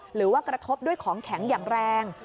หรือว่ากระทบด้วยของแข็งอย่างแรง